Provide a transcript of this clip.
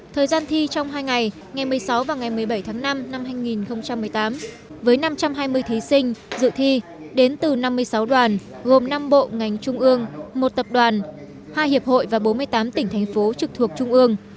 thời gian thi trong hai ngày ngày một mươi sáu và ngày một mươi bảy tháng năm năm hai nghìn một mươi tám với năm trăm hai mươi thí sinh dự thi đến từ năm mươi sáu đoàn gồm năm bộ ngành trung ương một tập đoàn hai hiệp hội và bốn mươi tám tỉnh thành phố trực thuộc trung ương